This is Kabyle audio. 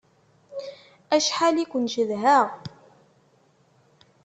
Acḥal i ken-cedhaɣ!